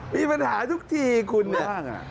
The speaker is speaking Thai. มีปัญหาทุกทีคุณเนี่ย